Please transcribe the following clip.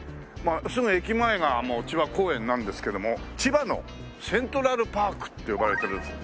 すぐ駅前がもう千葉公園なんですけども千葉のセントラルパークって呼ばれてるんですよ。